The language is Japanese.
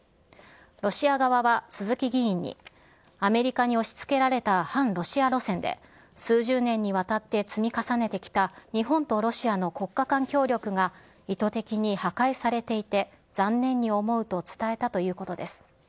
ロシア側は鈴木議員に、アメリカに押しつけられた反ロシア路線で、数十年にわたって積み重ねてきた日本とロシアの国家間協力が意図的に破壊されていて残念に思うと伝えたということです。